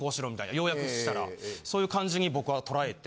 要約したらそういう感じに僕は捉えて。